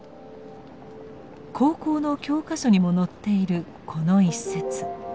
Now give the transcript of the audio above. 高校の教科書にも載っているこの一節。